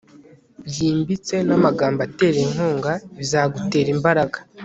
yimbitse namagambo atera inkunga bizagutera imbaraga